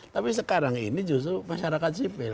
tapi sekarang ini justru masyarakat sipil